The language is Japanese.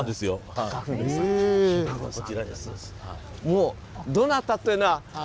もうどなたというのは。